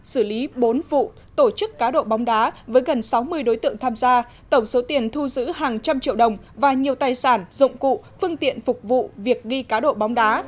xử lý bốn vụ tổ chức cá độ bóng đá với gần sáu mươi đối tượng tham gia tổng số tiền thu giữ hàng trăm triệu đồng và nhiều tài sản dụng cụ phương tiện phục vụ việc ghi cá độ bóng đá